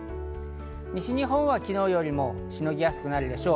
西日本は昨日よりもしのぎやすくなるでしょう。